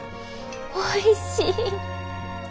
おいしい！